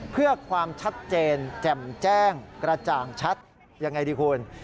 เพื่อความชัดเจนแจ่มแจ้งกระจ่างชัดยังไงดีคุณ